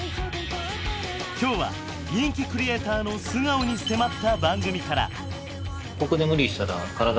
今日は人気クリエイターの素顔に迫った番組から。